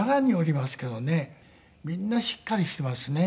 みんなしっかりしていますね。